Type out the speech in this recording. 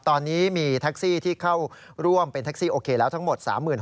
ตอนนี้มีแท็กซี่ที่เข้าร่วมเป็นแท็กซี่โอเคแล้วทั้งหมด๓๕๐๐